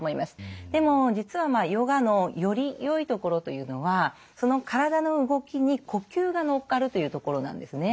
でも実はヨガのよりよいところというのはその体の動きに呼吸が乗っかるというところなんですね。